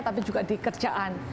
tapi juga di kerjaan